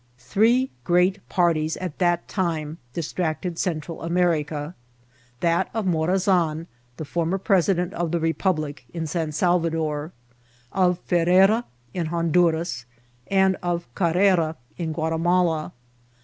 Three great parties at that time distracted Central America : that of Morazan, the former president of the Bepublic, in San Salvador, of Ferrera in Honduras, and of Carrera in Ouatimala.